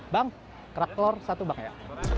bang kerak telur satu bang ya